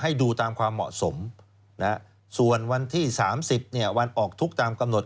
ดูตามความเหมาะสมส่วนวันที่๓๐วันออกทุกข์ตามกำหนด